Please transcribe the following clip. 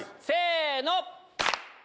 せの！